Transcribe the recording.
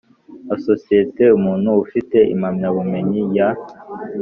Asosiye umuntu ufite impamyabumenyi ya